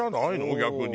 逆に。